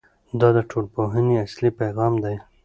دا د ټولنپوهنې اصلي پیغام دی.